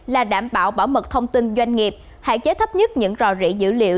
là đảm bảo bảo mật thông tin doanh nghiệp hạn chế thấp nhất những rò rỉ dữ liệu